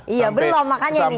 iya belum makanya nih